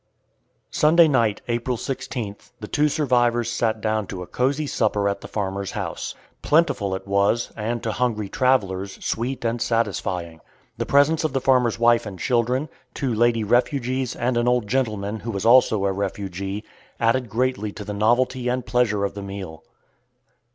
Sunday night, April 16th, the two survivors sat down to a cozy supper at the farmer's house. Plentiful it was, and, to hungry travelers, sweet and satisfying. The presence of the farmer's wife and children, two lady refugees, and an old gentleman, who was also a refugee, added greatly to the novelty and pleasure of the meal.